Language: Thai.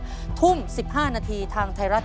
ขอให้คุณพระคุ้มครองและมีแต่สิ่งดีเข้ามาในครอบครัวนะครับ